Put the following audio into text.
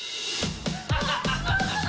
ハハハハ！